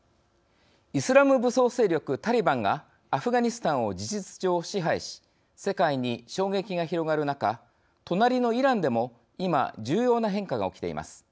イスラム武装勢力タリバンがアフガニスタンを事実上、支配し世界に衝撃が広がる中隣のイランでも、今重要な変化が起きています。